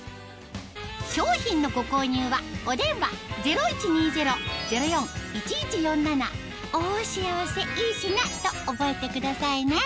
商品のご購入はお電話０１２０−０４−１１４７と覚えてくださいね